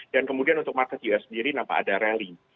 dan kemudian untuk market us sendiri nampak ada rally